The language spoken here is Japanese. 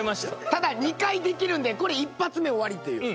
ただ２回できるんでこれ１発目終わりっていう。